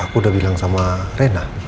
aku udah bilang sama rena